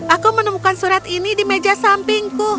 aku menemukan surat ini di meja sampingku